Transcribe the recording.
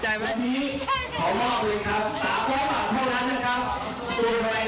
จะเป็น๕๖๐๐บาทนะครับ